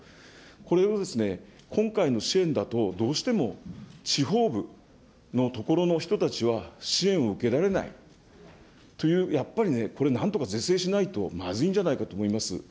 これをですね、今回の支援だと、どうしても地方部の所の人たちは支援を受けられないというやっぱりね、これ、なんとか是正しないとまずいんじゃないかと思います。